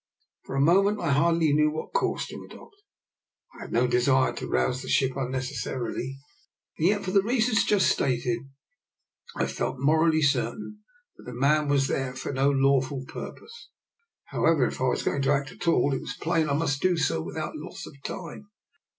For a mo ment I hardly knew what course to adopt. I had no desire to rouse the ship unneces sarily, and yet, for the reasons just stated, I felt morally certain that the man was there for no lawful purpose. However, if I was 98 DR. NIKOLA'S EXPERIMENT. going to act at all, it was plain I must do so without loss of time.